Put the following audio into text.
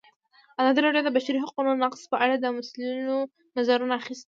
ازادي راډیو د د بشري حقونو نقض په اړه د مسؤلینو نظرونه اخیستي.